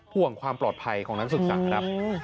ห่วงความปลอดภัยของนักศึกษาครับ